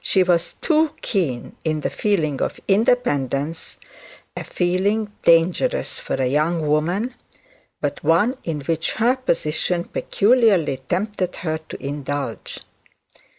She was too keen in the feeling of independence, a feeling dangerous for a young woman, but one in which her position peculiarly tempted her to indulge.